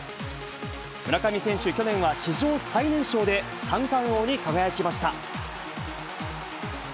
村上選手、去年は史上最年少で三冠王に輝きました。